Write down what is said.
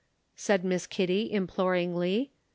said Miss Kitty, imploringly.